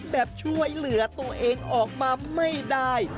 แบบช่วยเหลือตัวเองออกมาไม่ได้